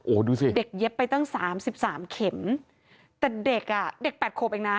โอ้โหดูสิเด็กเย็บไปตั้งสามสิบสามเข็มแต่เด็กอ่ะเด็กแปดขวบเองนะ